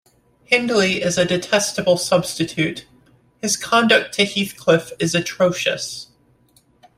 Hindley is a detestable substitute — his conduct to Heathcliff is atrocious.